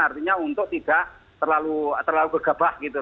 artinya untuk tidak terlalu terlalu bergebah gitu